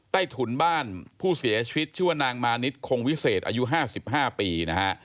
ถุนบ้านผู้เสียชีวิตชื่อว่านางมานิดคงวิเศษอายุ๕๕ปีนะฮะ